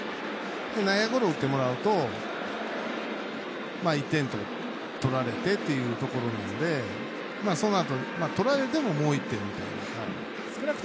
内野ゴロを打ってもらうと１点取られてというところなんでそのあと、取られてももう１点みたいな。